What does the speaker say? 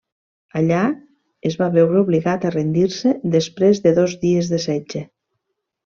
Allà es va veure obligat a rendir-se després de dos dies de setge.